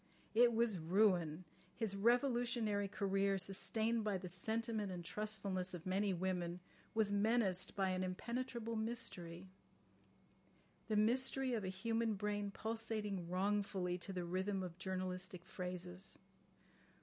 It was ruin. His revolutionary career, sustained by the sentiment and trustfulness of many women, was menaced by an impenetrable mystery—the mystery of a human brain pulsating wrongfully to the rhythm of journalistic phrases.